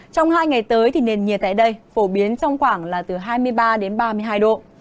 trong hai ngày tới nền nhiệt độ tại đây phổ biến trong khoảng hai mươi ba ba mươi hai độ